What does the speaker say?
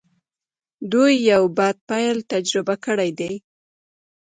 دوی يو بد پيل تجربه کړی دی.